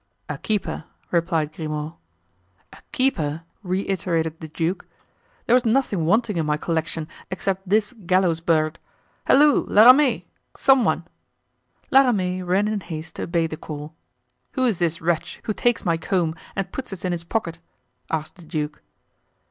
"A keeper," replied Grimaud. "A keeper!" reiterated the duke; "there was nothing wanting in my collection, except this gallows bird. Halloo! La Ramee! some one!" La Ramee ran in haste to obey the call. "Who is this wretch who takes my comb and puts it in his pocket?" asked the duke.